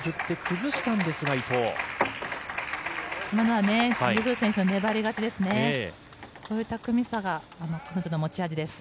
今のはユー・フー選手の粘り勝ちですね。